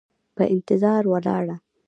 په انتظار ولاړه